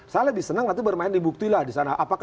saya lebih senang nanti bermain di buktilah disana